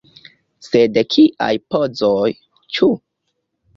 Sed kiaj pozoj, ĉu?